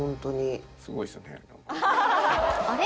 あれ？